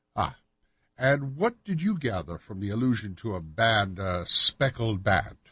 "Ah, and what did you gather from this allusion to a band—a speckled band?"